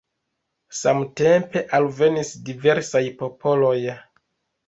Samtempe alvenis diversaj popoloj.